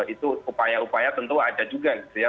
itu upaya upaya tentu ada juga gitu ya